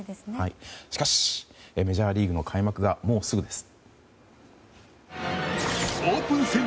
しかし、メジャーリーグの開幕がもうすぐです。